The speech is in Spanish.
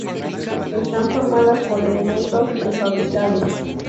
Están formadas por elementos prefabricados.